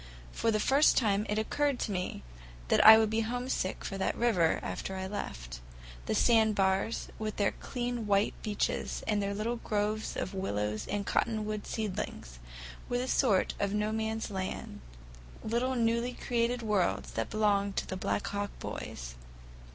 For the first time it occurred to me that I would be homesick for that river after I left it. The sandbars, with their clean white beaches and their little groves of willows and cottonwood seedlings, were a sort of No Man's Land, little newly created worlds that belonged to the Black Hawk boys.